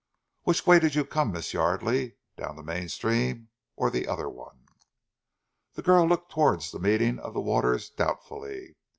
"Which way did you come, Miss Yardely? Down the main stream or the other one?" The girl looked towards the meeting of the waters doubtfully.